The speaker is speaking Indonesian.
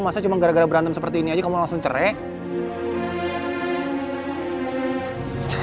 masa cuma gara gara berantem seperti ini aja kamu langsung cerek